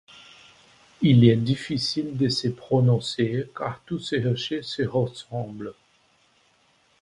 Il est difficile de se prononcer, car tous ces rochers se ressemblent.